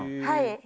はい。